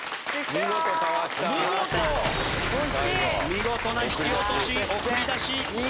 見事な引き落とし送り出し。